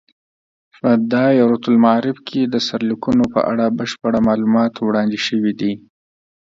په دایرة المعارف کې د سرلیکونو په اړه بشپړ معلومات وړاندې شوي دي.